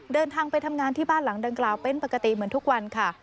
เดินทางไปทำงานที่บ้านหลังดังกล่าวเป็นปกติเหมือนทุกวันค่ะ